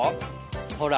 ほら。